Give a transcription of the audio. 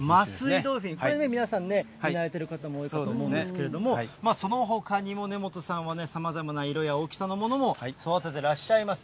これね、皆さんね、見慣れる方も多いと思うんですけれども、そのほかも根本さんもね、さまざまな色や大きさのものも育ててらっしゃいます。